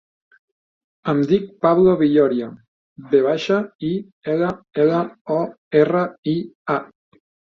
Em dic Pablo Villoria: ve baixa, i, ela, ela, o, erra, i, a.